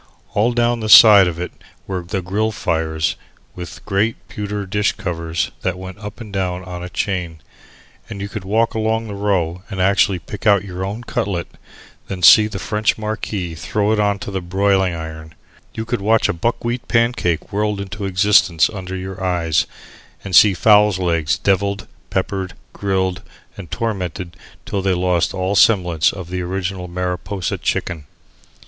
All down the side of it were the grill fires, with great pewter dish covers that went up and down on a chain, and you could walk along the row and actually pick out your own cutlet and then see the French marquis throw it on to the broiling iron; you could watch a buckwheat pancake whirled into existence under your eyes and see fowls' legs devilled, peppered, grilled, and tormented till they lost all semblance of the original Mariposa chicken.